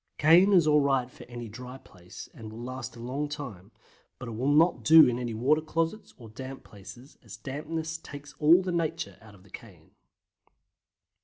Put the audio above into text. Cayenne is alright for any dry place and will last a long time, but it will not do in any water closets or any damp places, as dampness takes all the nature out of the cayenne.